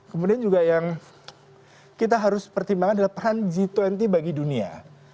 kemudian juga yang kita harus pertimbangkan adalah peran g dua puluh bagi dunia